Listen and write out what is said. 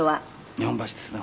日本橋ですね。